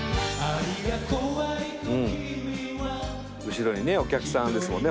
後ろにねお客さんですもんね。